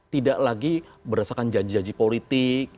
tidak lagi berdasarkan janji janji politik